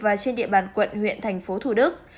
và trên địa bàn quận huyện tp thủ đức